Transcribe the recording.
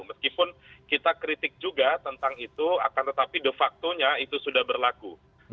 meskipun kita kritik juga tentang itu akan tetapi de factonya itu sudah berlaku